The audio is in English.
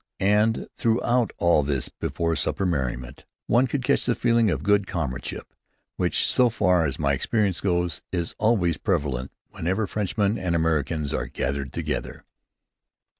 And throughout all this before supper merriment, one could catch the feeling of good comradeship which, so far as my experience goes, is always prevalent whenever Frenchmen and Americans are gathered together.